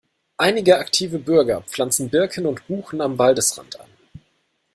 Einige aktive Bürger pflanzen Birken und Buchen am Waldesrand an.